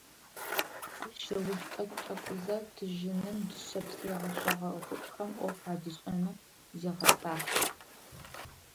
Ащ ыуж тӀэкӀу-тӀэкӀузэ тыжьыным, дышъэпс егъэшъогъэ гъучӀхэм Ӏоф адишӀэнэу зигъэсагъ.